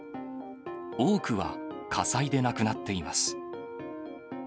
多くは、火災で亡くなっています。